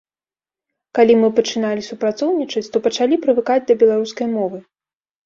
Калі мы пачыналі супрацоўнічаць, то пачалі прывыкаць да беларускай мовы.